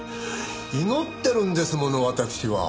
祈ってるんですものわたくしは。